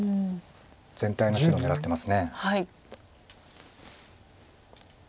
全体の白狙ってます。